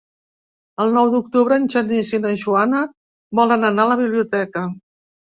El nou d'octubre en Genís i na Joana volen anar a la biblioteca.